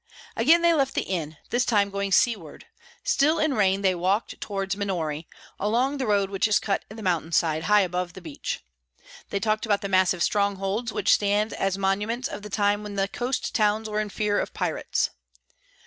Again they left the inn, this time going seaward. Still in rain, they walked towards Minori, along the road which is cut in the mountain side, high above the beach. They talked about the massive strongholds which stand as monuments of the time when the coast towns were in fear of pirates.